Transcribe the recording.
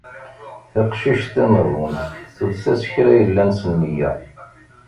Taqcict tameɣbunt, tules-as kra yellan s nniya-s.